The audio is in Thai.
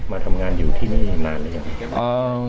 มาทำงานอยู่ที่นี่นานหรือยัง